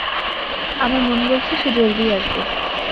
আমার মন বলছে সে জলদিই আসবে।